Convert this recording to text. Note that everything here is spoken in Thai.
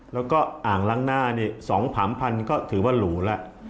แล้วก็อ่างล้างหน้านี่๒๓พันก็ถือว่าหรูแล้ว